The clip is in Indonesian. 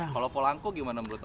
kalau polanco gimana menurut om